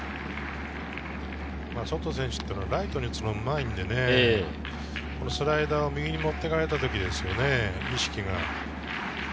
ソト選手はライトに打つのがうまいのでね、スライダー、右に持って行かれた時ですよね、意識が。